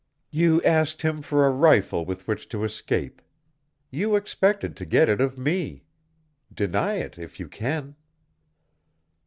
"You asked him for a rifle with which to escape. You expected to get it of me. Deny it if you can."